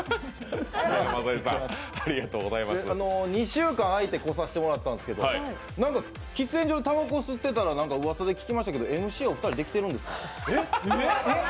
２週間あいて来させてもらったんですけど喫煙所、たばこ吸ってたら聞いたんですけどＭＣのお二人はデキてるんですか？